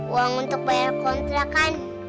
uang untuk bayar kontrakan